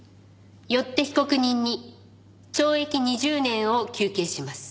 よって被告人に懲役２０年を求刑します。